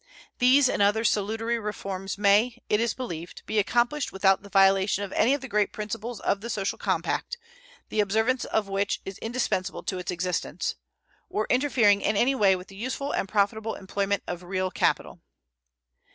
These and other salutary reforms may, it is believed, be accomplished without the violation of any of the great principles of the social compact, the observance of which is indispensable to its existence, or interfering in any way with the useful and profitable employment of real capital.